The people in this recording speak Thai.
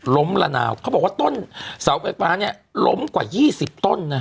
ล้มละนาวเขาบอกว่าต้นเสาไฟฟ้าล้มกว่า๒๐ต้น